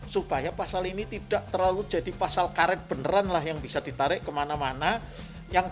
supaya pasal ini tidak terlalu jadi pasal karet beneran lah yang bisa ditarik kemana mana